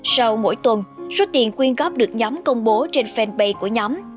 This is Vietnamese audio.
sau mỗi tuần số tiền quyên góp được nhóm công bố trên fanpage của nhóm